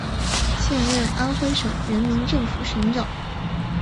现任安徽省人民政府省长。